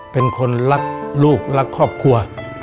เป็นคนรักลูกรักครอบครัว